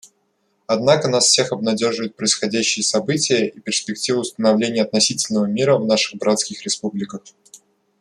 Однако нас обнадеживают происходящие события и перспективы установления относительного мира в наших братских республиках.